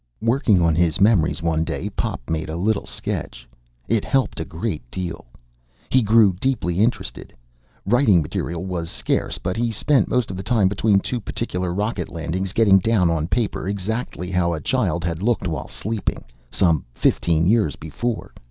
Working on his memories, one day Pop made a little sketch. It helped a great deal. He grew deeply interested. Writing material was scarce, but he spent most of the time between two particular rocket landings getting down on paper exactly how a child had looked while sleeping, some fifteen years before.